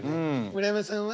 村山さんは？